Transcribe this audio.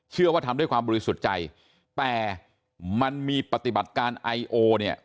ว่าทำด้วยความบริสุทธิ์ใจแต่มันมีปฏิบัติการไอโอเนี่ย